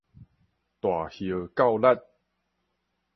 大葉校栗